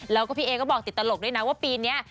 แล้วก็พี่เอก็บอกติดตลกด้วยนะว่าปีนี้